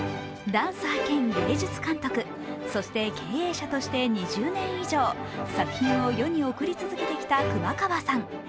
ダンサー兼芸術監督、そして経営者として２０年以上、作品を世に送り続けてきた熊川さん。